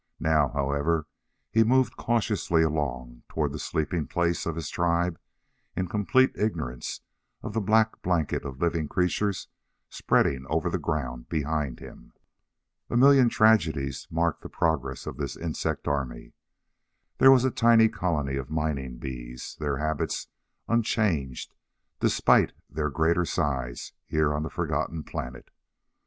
Now, however, he moved cautiously along toward the sleeping place of his tribe in complete ignorance of the black blanket of living creatures spreading over the ground behind him. A million tragedies marked the progress of the insect army. There was a tiny colony of mining bees, their habits unchanged despite their greater size, here on the forgotten planet.